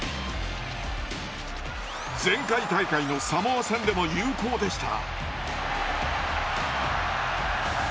前回大会のサモア戦でも有効でした。